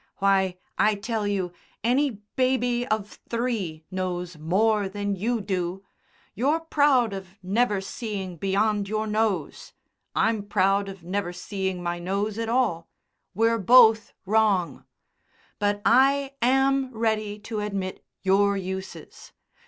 Why, I tell you, any baby of three knows more than you do! You're proud of never seeing beyond your nose. I'm proud of never seeing my nose at all: we're both wrong. But I am ready to admit your uses.